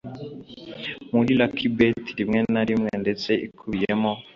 muri Lucky Bets rimwe na rimwe ndetse ikubiyemo